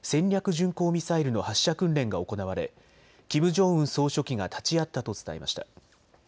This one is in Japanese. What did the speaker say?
巡航ミサイルの発射訓練が行われキム・ジョンウン総書記が立ち会ったと伝えました。